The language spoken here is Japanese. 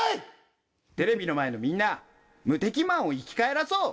「テレビの前のみんな無敵マンを生き返らそう！」